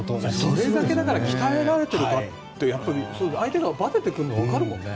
それだけ鍛えられていて相手がばててくるのが分かるもんね。